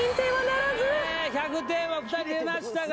１００点は２人出ましたが。